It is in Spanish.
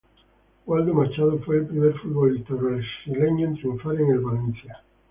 Waldo Machado fue el primer futbolista brasileño en triunfar en el Valencia.